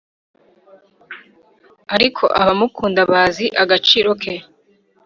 ariko abamukunda bazi agaciro ke.